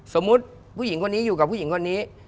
สมมุติผู้หญิงคนนี้อยู่กับผู้หญิงคนนี้